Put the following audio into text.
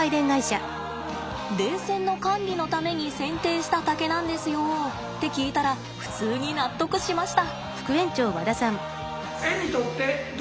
電線の管理のために剪定した竹なんですよって聞いたら普通に納得しました。